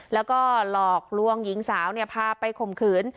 และก็หลอกรวงหญิงสาวเนี่ยพาไปคมขืน